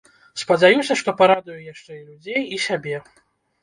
Спадзяюся, што парадую яшчэ і людзей, і сябе!